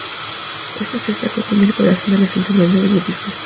Esta Cesta contiene el corazón de las enseñanzas budistas.